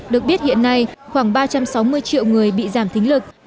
được biết hiện nay khoảng ba trăm sáu mươi triệu người bị giảm thính lực